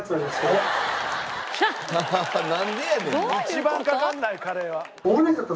一番かからないカレーは。